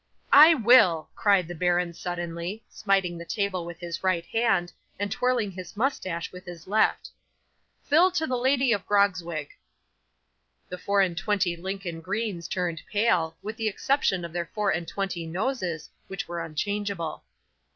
'"I will!" cried the baron suddenly, smiting the table with his right hand, and twirling his moustache with his left. "Fill to the Lady of Grogzwig!" 'The four and twenty Lincoln greens turned pale, with the exception of their four and twenty noses, which were unchangeable.